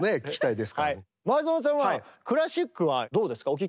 前園さんはクラシックはどうですかお聴きになりますか？